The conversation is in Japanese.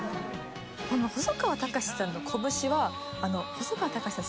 細川たかしさんのこぶしは細川たかしさん